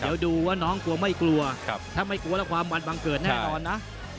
เดี๋ยวดูว่าน้องกลัวไม่กลัวถ้าไม่กลัวแล้วความวันบังเกิดแน่นอนนะ